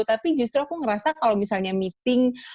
tapi justru aku ngerasa kalau misalnya meeting